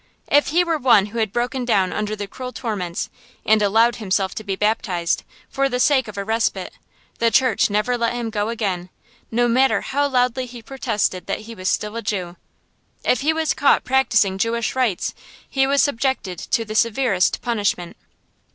If he were one who had broken down under the cruel torments, and allowed himself to be baptized, for the sake of a respite, the Church never let him go again, no matter how loudly he protested that he was still a Jew. If he was caught practicing Jewish rites, he was subjected to the severest punishment.